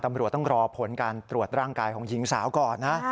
ตำรวจต้องรอผลการตรวจร่างกายของหญิงสาวก่อนนะ